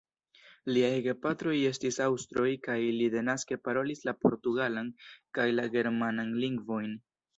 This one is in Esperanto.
Liaj gepatroj estis aŭstroj kaj li denaske parolis la portugalan kaj la germanan lingvojn.